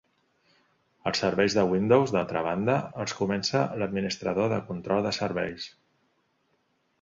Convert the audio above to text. Els serveis de Windows, d'altra banda, els comença l'Administrador de control de serveis.